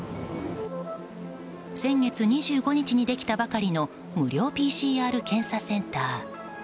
先月２５日にできたばかりの無料ＰＣＲ検査センター。